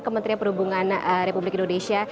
kementerian perhubungan republik indonesia